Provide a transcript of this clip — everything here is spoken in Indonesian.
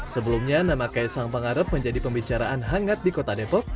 sebelumnya nama kaisang pangarep menjadi pembicaraan hangat di kota depok